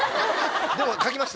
でも書きました。